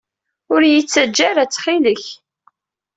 Ur iyi-ttaǧǧa ara, ttxil-k!